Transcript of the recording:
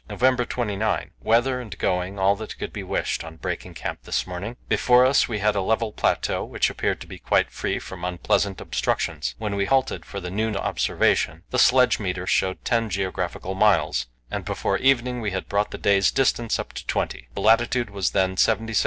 November 29. Weather and going all that could be wished on breaking camp this morning; before us we had a level plateau, which appeared to be quite free from unpleasant obstructions. When we halted for the noon observation the sledge meter showed ten geographical miles, and before evening we had brought the day's distance up to twenty. The latitude was then 77° 32'.